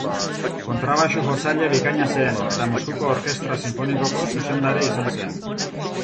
Kontrabaxu-jotzaile bikaina zen, eta Moskuko Orkestra Sinfonikoko zuzendari izan zen.